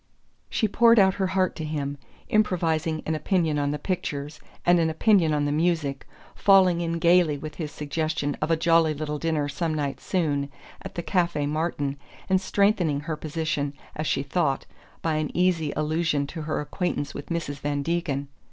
She poured out her heart to him, improvising an opinion on the pictures and an opinion on the music, falling in gaily with his suggestion of a jolly little dinner some night soon, at the Café Martin, and strengthening her position, as she thought, by an easy allusion to her acquaintance with Mrs. Van Degen.